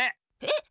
えっ！